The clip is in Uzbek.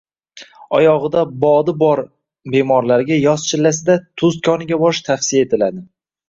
Oyog‘ida bodi bor bemorlarga yoz chillasida tuz koniga borish tavsiya etiladi.